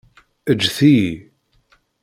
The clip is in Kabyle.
Ǧǧet-iyi.